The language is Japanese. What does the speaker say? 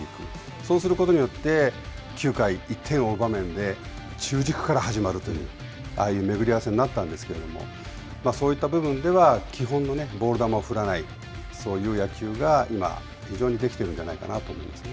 そうすることによって、９回、１点を追う場面で中軸から始まるというああいう巡り合わせになったんですけれども、そういった部分では基本のボール球を振らない、そういう野球が今、非常にできているんじゃないかと思いますね。